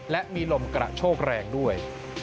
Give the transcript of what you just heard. และมีลมกระโชกแรงด้วย